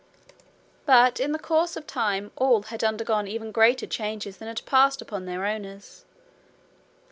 But in the course of time all had undergone even greater changes than had passed upon their owners.